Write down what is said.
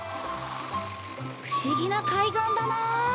不思議な海岸だなあ。